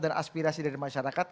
dan aspirasi dari masyarakat